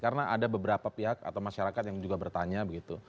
karena ada beberapa pihak atau masyarakat yang juga bertanya begitu